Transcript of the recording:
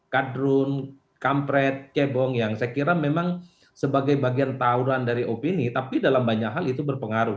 kadrun kampret cebong yang saya kira memang sebagai bagian tawuran dari opini tapi dalam banyak hal itu berpengaruh